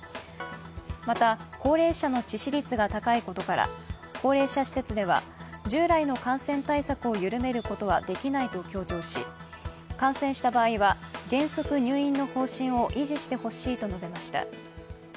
また、高齢者の致死率が高いことから高齢者施設では従来の感染対策を緩めることはできないと強調し感染した場合は、原則入院の方針を維持してほしいと述べました。